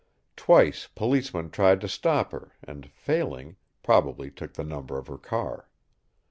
Twice policemen tried to stop her and, failing, probably took the number of her car.